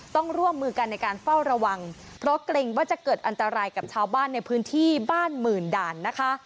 ต้องร่วมมือกันในการเฝ้าระวังเพราะเกรงว่าจะเกิดอันตรายกับชาวบ้านในพื้นที่บ้านหมื่นด่านนะคะ